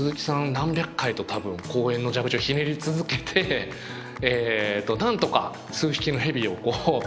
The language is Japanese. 何百回と多分公園の蛇口をひねり続けてなんとか数匹の蛇を見つけ出したっていう